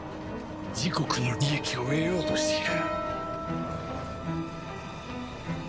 自国の利益を得ようとしている。